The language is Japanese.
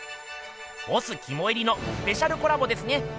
ボスきもいりのスペシャルコラボですね。